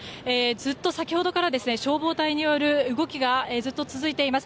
ずっと先ほどから消防隊による動きが続いています。